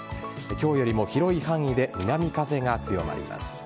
今日よりも広い範囲で南風が強まります。